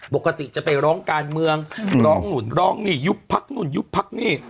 ปกติจะไปร้องการเมืองร้องนู่นร้องนี่ยุบพักนู่นยุบพักนี่